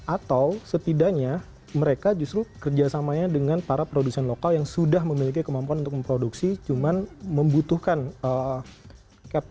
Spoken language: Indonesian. atau setidaknya mereka justru kerjasamanya dengan para produsen lokal yang sudah memiliki kemampuan untuk memproduksi cuman membutuhkan capta